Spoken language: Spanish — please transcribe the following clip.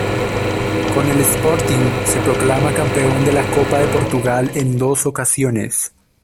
Con el Sporting se proclama campeón de la Copa de Portugal en dos ocasiones.